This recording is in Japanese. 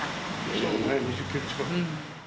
そうだね、２０キロ近く。